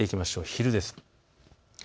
昼です。